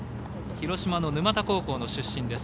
広島の沼田高校の出身。